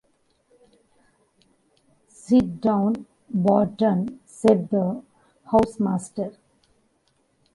"Sit down, Burton," said the housemaster.